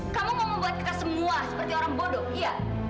kamu mau membuat kita semua seperti orang bodoh iya